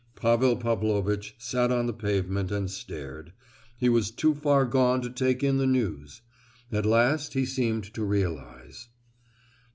Pavel Pavlovitch sat on the pavement and stared, he was too far gone to take in the news. At last he seemed to realize.